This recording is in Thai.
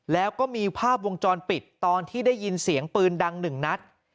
แล้วก็มีภาพวงจรปิดตอนที่ได้ยินเสียงปืนดังหนึ่งนัด